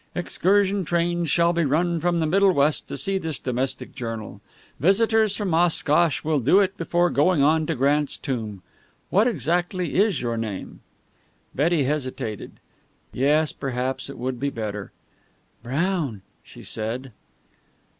Excursion trains will be run from the Middle West to see this domestic journal. Visitors from Oshkosh will do it before going on to Grant's tomb. What exactly is your name?" Betty hesitated. Yes, perhaps it would be better. "Brown," she said.